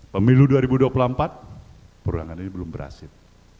pemilu dua ribu dua puluh empat perulangan ini belum berhasil